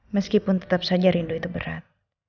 meskipun tetap saja rindu itu berat